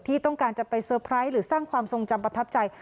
ที่ต้องการจะไปเซอร์ไพรส์หรือสร้างความทรงจำประทับใจ